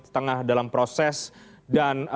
tengah dalam proses dan